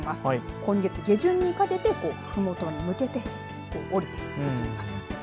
今月下旬にかけてふもとに向けて降りていきます。